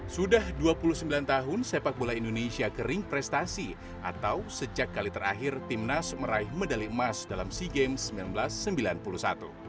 sudah dua puluh sembilan tahun sepak bola indonesia kering prestasi atau sejak kali terakhir timnas meraih medali emas dalam sea games seribu sembilan ratus sembilan puluh satu